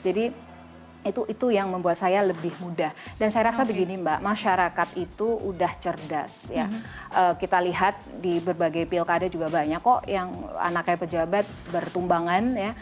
jadi itu yang membuat saya lebih muda dan saya rasa begini mbak masyarakat itu udah cerdas ya kita lihat di berbagai pilkade juga banyak kok yang anaknya pejabat bertumbangan ya